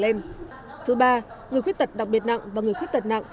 trường hợp thứ ba người khuyết tật đặc biệt nặng và người khuyết tật nặng